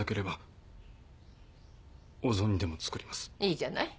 いいじゃない。